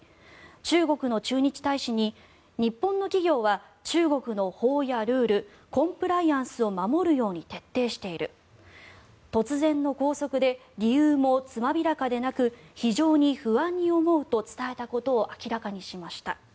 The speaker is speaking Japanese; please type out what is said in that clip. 中国の駐日大使に日本の企業は中国の法やルールコンプライアンスを守るように徹底している突然の拘束で理由もつまびらかでなく非常に不安に思うと伝えたことを明らかにしました。